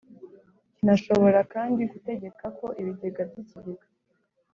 kinashobora kandi gutegeka ko ibigega by ikigega